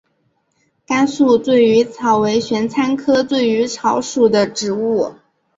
甘肃醉鱼草为玄参科醉鱼草属的植物。